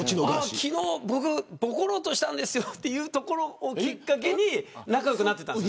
昨日、僕、ぼころうとしたんですよというところをきっかけに仲良くなったんです。